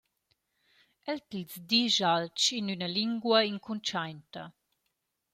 El tils disch alch in üna lingna incuntschainta.